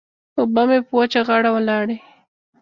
اوبه مې په وچه غاړه ولاړې.